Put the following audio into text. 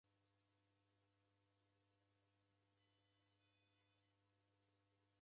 Chumbo radima kuhoresha makongo